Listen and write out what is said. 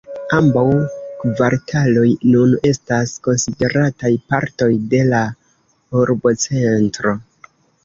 Ambaŭ kvartaloj nun estas konsiderataj partoj de la urbocentro.